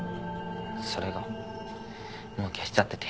それがもう消しちゃってて。